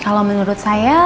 kalau menurut saya